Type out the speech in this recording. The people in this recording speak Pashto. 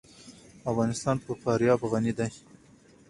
افغانستان په فاریاب غني دی.